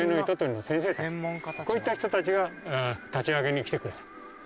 こういった人たちが立ち上げに来てくれた。